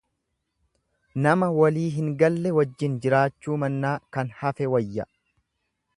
Nama walii hin galle wajjin jiraachuu mannaa kan hafe wayya.